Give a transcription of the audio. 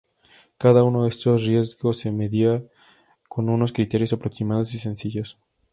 Cada uno de estos riesgos se medía con unos criterios aproximados y sencillos.